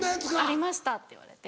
「ありました」って言われて。